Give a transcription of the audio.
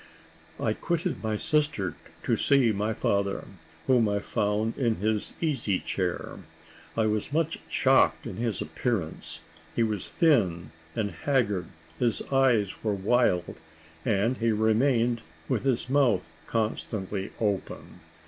I quitted my sister to see my father, whom I found in his easy chair. I was much shocked at his appearance. He was thin and haggard his eyes were wild, and he remained with his mouth constantly open.